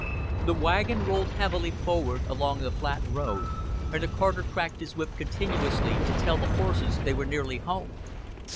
The wagon rolled heavily forward along the flat road, and the carter cracked his whip continuously to tell the horses they were nearly home.